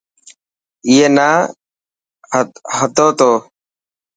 اي نا هرد تو.